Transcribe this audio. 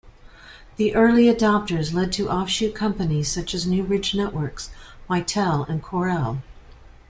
The early adopters led to offshoot companies such as Newbridge Networks, Mitel and Corel.